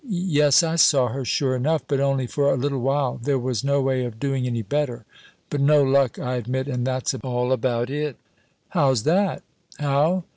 Yes, I saw her, sure enough, but only for a little while there was no way of doing any better but no luck, I admit, and that's all about it." "How's that?" "How?